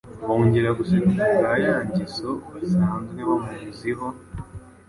Bongera guseka ku bwa ya ngeso basanzwe bamuziho,